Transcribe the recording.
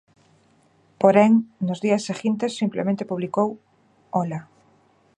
Porén, nos días seguintes simplemente publicou: Ola.